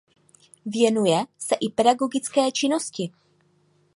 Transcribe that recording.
Věnuje se i pedagogické činnosti.